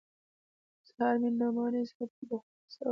سهار مې نعماني صاحب ته د خوب کيسه وکړه.